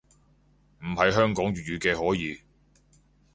唔係香港粵語嘅可以